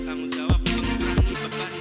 tanggung jawab pengurungi pekan